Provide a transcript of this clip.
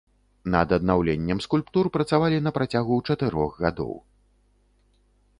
Над аднаўленнем скульптур працавалі на працягу чатырох гадоў.